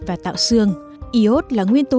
và tạo xương iốt là nguyên tố